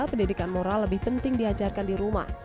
pendidikan moral lebih penting diajarkan di rumah